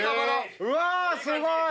うわすごい！